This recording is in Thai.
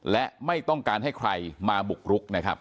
และไม่ต้องการให้ใครมาบุกรุกนะครับ